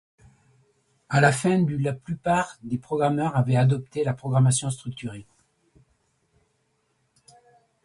À la fin du la plupart des programmeurs avaient adopté la programmation structurée.